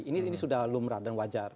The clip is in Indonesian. ini sudah lumrah dan wajar